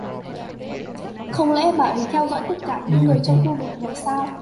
Không lẽ bà ấy theo dõi tất cả những người khu vực này sao